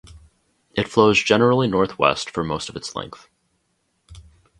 It flows generally northwest for most of its length.